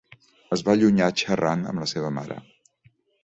Es va allunyar xerrant amb la seva mare.